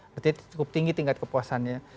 berarti cukup tinggi tingkat kepuasannya